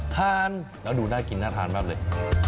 ทานแล้วดูน่ากินน่าทานมากเลย